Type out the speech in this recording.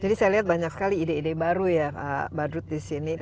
jadi saya lihat banyak sekali ide ide baru ya pak badut di sini